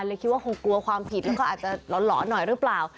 คิดว่าคงกลัวความผิดแล้วก็อาจจะหลอนหน่อยหรือเปล่า